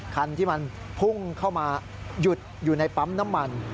คันที่มันพุ่งเข้ามาหยุดอยู่ในปั๊มน้ำมัน